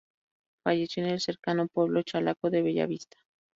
Falleció en el cercano pueblo chalaco de Bellavista.